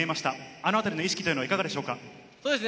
あの辺りの意識はいかがでしょうか？